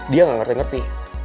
dia gak ngerti ngerti